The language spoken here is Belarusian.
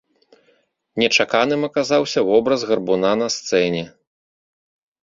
Нечаканым аказаўся вобраз гарбуна на сцэне.